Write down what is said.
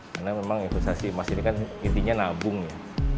karena memang investasi emas ini kan intinya nabung ya